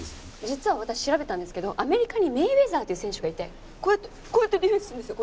実は私調べたんですけどアメリカにメイウェザーっていう選手がいてこうやってこうやってディフェンスするんですよ。